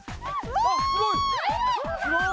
えっすごい！